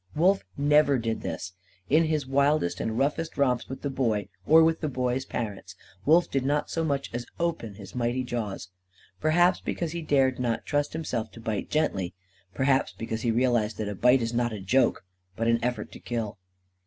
Wolf never did this. In his wildest and roughest romps with the Boy or with the Boy's parents, Wolf did not so much as open his mighty jaws. Perhaps because he dared not trust himself to bite gently. Perhaps because he realised that a bite is not a joke, but an effort to kill.